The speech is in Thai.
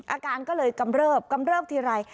อาการก็เลยกำเริบกำเริบทีไร